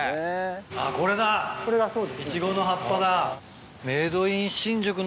あぁこれだイチゴの葉っぱだ。